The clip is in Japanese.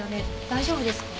大丈夫ですか？